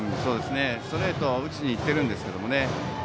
ストレートを打ちに行ってるんですけどね。